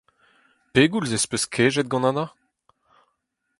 Pegoulz ez peus kejet gant Anna ?